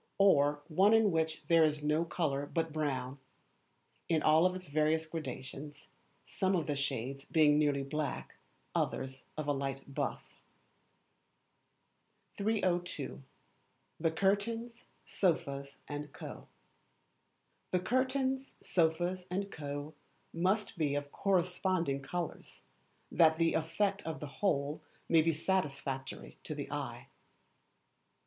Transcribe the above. Or one in which there is no colour but brown, in all its various gradations, some of the shades being nearly black, others of a light buff. 302. The Curtains, Sofas, &c., must be of corresponding colours, that the effect of the whole may be satisfactory to the eye.